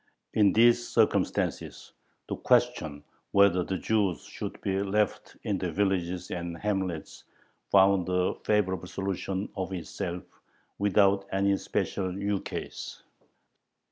In these circumstances the question whether the Jews should be left in the villages and hamlets found a favorable solution of itself, without any special ukase.